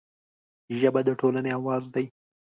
ژبه د ټولنې اواز دی